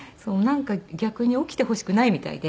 なんか逆に起きてほしくないみたいで。